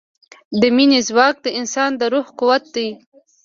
د مینې ځواک د انسان د روح قوت دی.